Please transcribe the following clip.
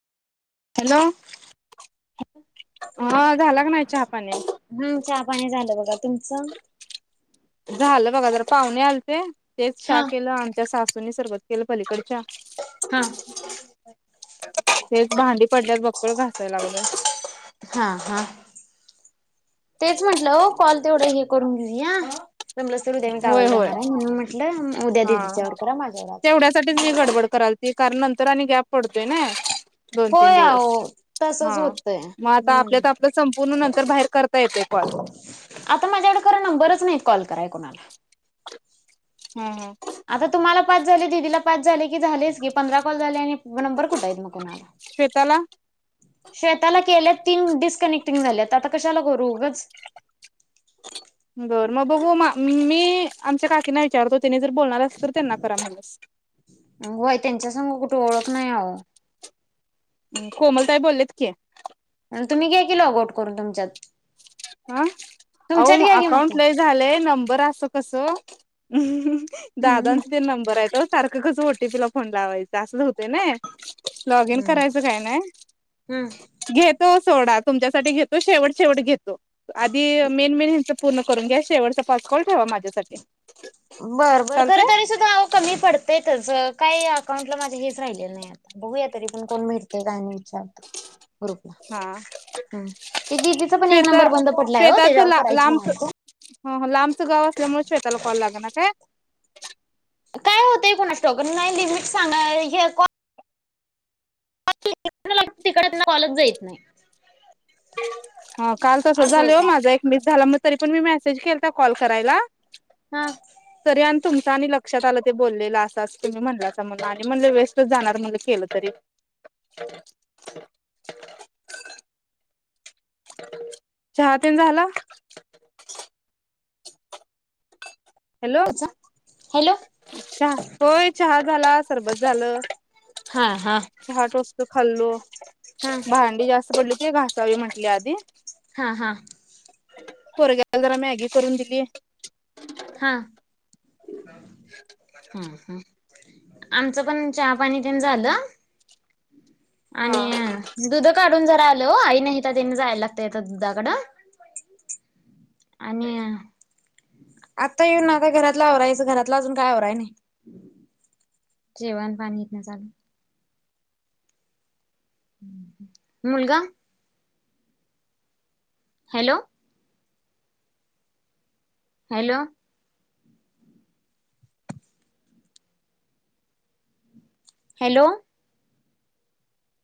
Hello हा झाला का नाय चहापानी तुमच झालं बघा जरा पाहुणे आलते तेच हा चा केलं आमच्या सासूनी सर्बत केलं पलीकडच्या हा तेच भांडी पडल्यात बक्कळ घासाय लागलोय हा हा तेच म्हंटलं हो कॉल तेवढं हे करून घेऊया जमलंच तर उद्या मी होय गावाला होय जाणार आहे म्हणून म्हटलं म उद्या हा दिदीच्या वर करा माझ्यावर आज तेवढ्यासाठीच मी गडबड कराल ती कारण नंतर आणि गॅप पडतोय ना दोन तीन होय दिवस आहो हा तसच होतंय मग आता हम्म. आपल्यात आपलं संपूर्ण नंतर बाहेर करता येते पण आता माझ्याकडे खरं नंबरच नाही कॉल कराय कोणाला हम हम आता तुम्हाला पाच झाले दिदीला पाच झाले की झालेच की पंधरा कॉल झाले आणि नंबर कुठायेत मग कोणाला शेताला श्वेताला केल्यात तीन डिस्कनेक्टिंग झाल्यात आता कशाला करू उगच बर मग बघू मा मी आमच्या काकींना विचारतो तिने जर बोलणार असल तर त्यांना करा म तस होय त्यांच्या संग कुठे ओळख नाही अहो कोमलताई बोललेत की तुम्ही काय केलं लोग आउट करून तुमच्यात हा अहो तुमच्यात घ्या की मग अकाउंट ते लय झालंय नंबर अस कसं अह ह हम्म. दादांचा ते नंबर हायेत ओ सारखं कसं ओटीपी ला फोन लावयचा असंच होतय ना लॉग इन करायचं काय नाय हम्म घेत तो सोडा तुमच्यासाठी घेतो शेवट शेवट घेतो आधी मेन मेन ह्यांच पूर्ण करून घ्या शेवटचा पाच कॉल ठेवा माझ्यासाठी बर बर खर चालतंय तरी सुद्धा ना कमी पडतेतच काही अकाउंटला माझ हेच राहिले नाही बघूया तरी पण कोण भेटते काय नाही विचारत हा ते दिदीचा पण एक शेत नंबर बंद पडलाय हो शेताच त्याच्यावर ला करायची लांबच म्हणालतो च गाव असल्यामुळे शेताला कॉल लागना काय काय होतंय कोणास ठाऊक नाही लिमिट सांगा हे कोन तिकडे त्यांना कालच जाईत नाही ह काल तस असं झालं हो होतय माझा एक मिस झाला म तरी पण मी मेसेज केलता कॉल करायला हा तुमच आणि लक्षात आलं ते बोललेलं आस आसच तुम्ही म्हणल्यासा म्हण आणि म्हणले वेस्टच जाणार म्हणलं केलं तरी [unintelligible] चहातेन झाला हॅलो अच्छा चहा होय चहा झाला सरबत झालं हा हा धा आट वस्तू खाल्लो हा भांडी जास्त पडली ती घासावी म्हटले आधी हा हा पोरग्याला जरा मॅगी करून दिलीय हा हम हम आमचं पण चहा पाणी तेन झालं हा आणि दुध काढून झा आलो आई नाही तर त्यांनी जायला लागतय दुधाकडं आणि आता येऊन आता घरातला आवरायचं घरातला अजून काय आवराय नाही जेवण पाणीे ते चालू मुलगा? हॅलो. हॅलो. हॅलो.